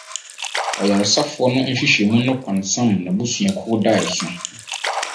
Ɔyaresafoɔ no nhwehwɛmu no pansam n’abusuakuo daeso